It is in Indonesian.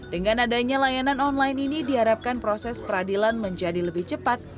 dengan adanya layanan online ini diharapkan proses peradilan menjadi lebih cepat